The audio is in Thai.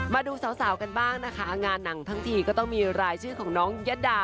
มาดูสาวกันบ้างนะคะงานหนังทั้งทีก็ต้องมีรายชื่อของน้องยะดา